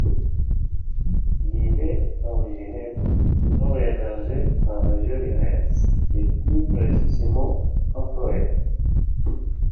L'idée originelle aurait émergé en région lyonnaise et plus précisément en Forez.